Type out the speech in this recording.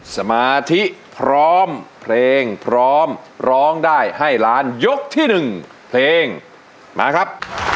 สมาธิพร้อมเพลงพร้อมร้องได้ให้ล้านยกที่๑เพลงมาครับ